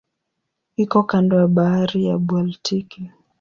Iko kando ya Bahari ya Baltiki.